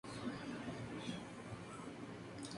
Se encuentra en Cuba, Guatemala y Cuba.